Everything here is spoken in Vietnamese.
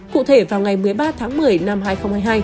cụ thể vào ngày một mươi ba tháng một mươi năm hai nghìn hai mươi hai